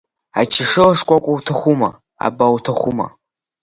Ачашыла шкәакәа уҭахума, аба уҭахума.